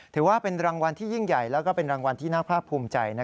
ถือว่าเป็นรางวัลที่ยิ่งใหญ่แล้วก็เป็นรางวัลที่น่าภาคภูมิใจ